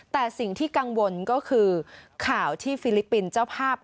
แต่สิ่งที่กังวลก็คือข่าวที่ฟิลิปปินส์เจ้าภาพ